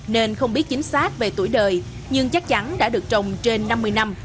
nên không biết chính xác về tuổi đời nhưng chắc chắn đã được trồng trên năm mươi năm